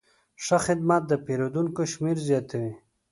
ښه خدمت د پیرودونکو شمېر زیاتوي.